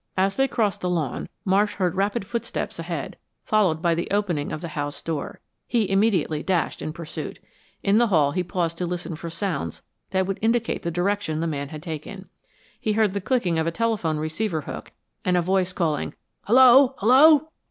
As they crossed the lawn, Marsh heard rapid footsteps ahead, followed by the opening of the house door. He immediately dashed in pursuit. In the hall he paused to listen for sounds that would indicate the direction the man had taken. He heard the clicking of a telephone receiver hook and a voice calling, "Hello! Hello!"